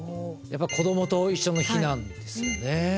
やっぱ子どもと一緒の避難ですよね。